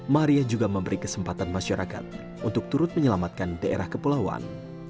maria juga memberi kesempatan masyarakat untuk turut menyelamatkan daerah kepulauan